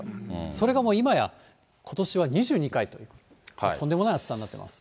それがもう今や、ことしは２２回と、もうとんでもない暑さになってます。